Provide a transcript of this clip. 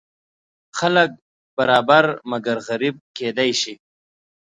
خلک برابر مګر غریب کیدی شي.